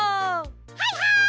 はいはい！